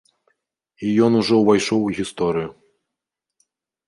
І ён ужо ўвайшоў у гісторыю.